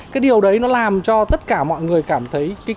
cái điều đấy nó làm cho tất cả mọi người cảm thấy